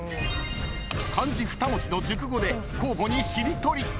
［漢字２文字の熟語で交互にしりとり］